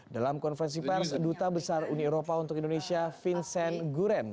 dalam konferensi pers duta besar uni eropa untuk indonesia vincent guren